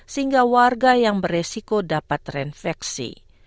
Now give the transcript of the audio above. sehingga warga yang beresiko dapat terinfeksi